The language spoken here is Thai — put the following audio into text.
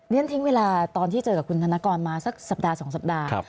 เลี้ยนทิ้งเวลาตอนที่เจอกับคุณธนกรมาสักสัปดาห์สองสัปดาห์ครับ